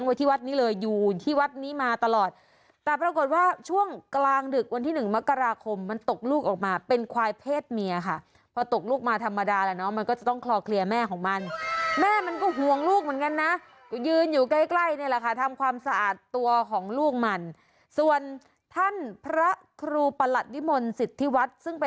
ไว้ที่วัดนี้เลยอยู่ที่วัดนี้มาตลอดแต่ปรากฏว่าช่วงกลางดึกวันที่หนึ่งมกราคมมันตกลูกออกมาเป็นควายเพศเมียค่ะพอตกลูกมาธรรมดาแล้วเนาะมันก็จะต้องคลอเคลียร์แม่ของมันแม่มันก็ห่วงลูกเหมือนกันนะก็ยืนอยู่ใกล้ใกล้นี่แหละค่ะทำความสะอาดตัวของลูกมันส่วนท่านพระครูประหลัดวิมลสิทธิวัฒน์ซึ่งไป